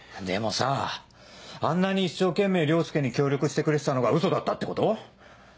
でもさあんなに一生懸命凌介に協力してくれてたのがウソだったってこと？